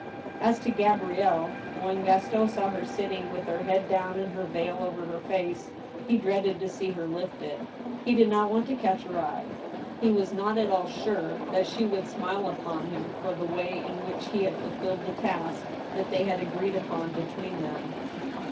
As to GabrielTe, when Gaston saw her sitting with her head down and her veil over her face, he dreaded to see her lift it. He did not want to catch her eye. He was not at all sure that she would smile upon him for the way in which he had fulfilled the task that they had agreed upon between them.